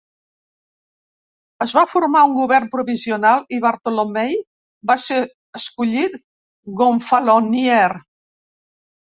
Es va formar un govern provisional i Bartolommei va ser escollit "gonfaloniere".